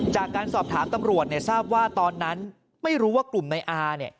จากการสอบถามตำรวจเนี่ยทราบว่าตอนนั้นไม่รู้ว่ากลุ่มในอาเนี่ย